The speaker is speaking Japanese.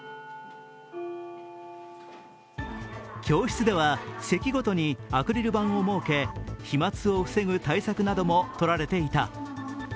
教室では席ごとにアクリル板を設け飛まつを防ぐ対策などもとられていた。